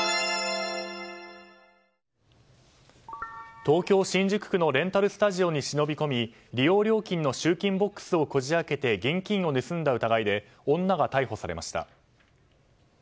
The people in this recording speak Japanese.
東京・新宿区のレンタルスタジオに忍び込み利用料金の集金ボックスをこじ開けて現金を盗んだ疑いで女が逮捕されました。